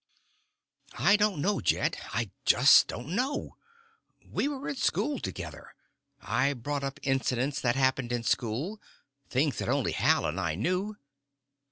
"I don't know, Jed. I just don't know. We were in school together. I brought up incidents that happened in school, things that only Hal and I knew.